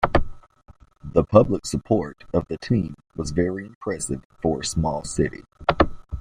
The public support of the team was very impressive for a small city.